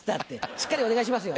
しっかりお願いしますよ。